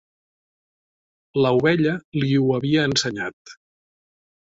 La ovella li ho havia ensenyat.